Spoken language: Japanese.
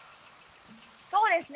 そうですね。